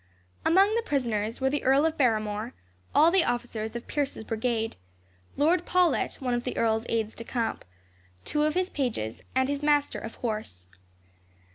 Among the prisoners were the Earl of Barrimore, all the officers of Pierce's brigade, Lord Pawlet, one of the earl's aides de camp, two of his pages, and his master of horse.